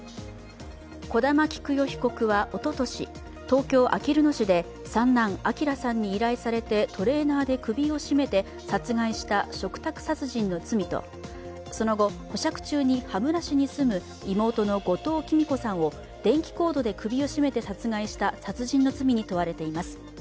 小玉喜久代被告はおととし東京あきる野市で三男・昭さんに依頼されてトレーナーで首を絞めて殺害した嘱託殺人の罪とその後、保釈中に羽村市に住む妹の後藤喜美子さんを電気コードで首を絞めて殺害した殺人の罪に問われています。